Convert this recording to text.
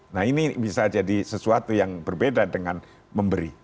nah ini bisa jadi sesuatu yang berbeda dengan memberi